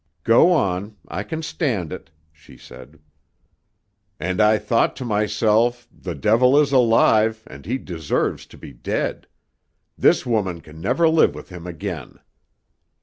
"Go on. I can stand it," she said. "And I thought to myself, 'The devil is alive and he deserves to be dead. This woman can never live with him again.